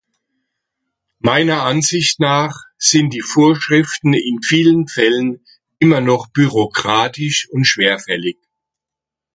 Meiner Ansicht nach sind die Vorschriften in vielen Fällen immer noch bürokratisch und schwerfällig.